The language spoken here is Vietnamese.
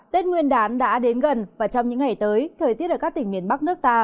tết nguyên đán đã đến gần và trong những ngày tới thời tiết ở các tỉnh miền bắc nước ta